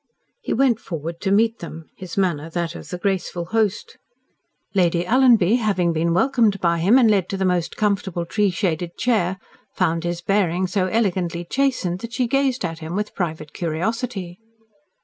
He went forward to meet them his manner that of the graceful host. Lady Alanby, having been welcomed by him, and led to the most comfortable, tree shaded chair, found his bearing so elegantly chastened that she gazed at him with private curiosity.